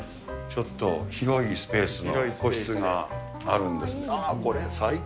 ちょっと広いスペースの個室があるんです。